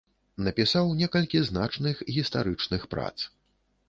Напісаў некалькі значных гістарычных прац.